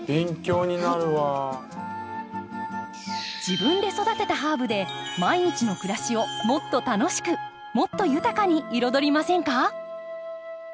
自分で育てたハーブで毎日の暮らしをもっと楽しくもっと豊かに彩りませんか。